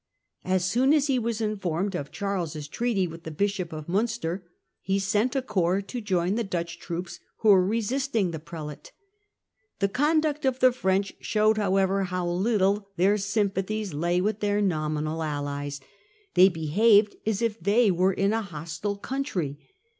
As soon as he was informed of Charles's treaty with the Bishop of Munster he sent a corps to join the Dutch troops who were resisting that Prelate. The conduct of the French showed howevei how little their sympathies lay with their nominafcallies. 134 The First Dutch War. 1666. They behaved as if they were in an hostile country.